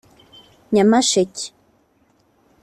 Nyamasheke)